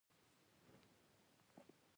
مزل پر مزل د نقل کار دی.